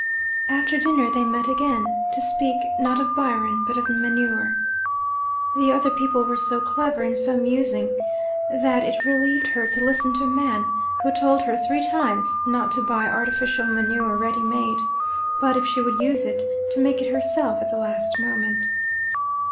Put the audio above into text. After dinner they met again, to speak not of Byron but of manure. The other people were so clever and so amusing that it relieved her to listen to a man who told her three times not to buy artificial manure ready made, but, if she would use it, to make it herself at the last moment.